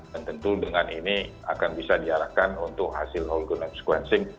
dan tentu dengan ini akan bisa diarahkan untuk hasil whole genome sequencing